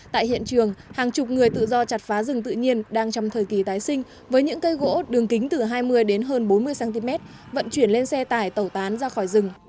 tại hiện trường hàng chục người tự do chặt phá rừng tự nhiên đang trong thời kỳ tái sinh với những cây gỗ đường kính từ hai mươi đến hơn bốn mươi cm vận chuyển lên xe tải tẩu tán ra khỏi rừng